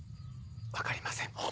分かりません。